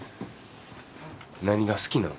何が好きなん？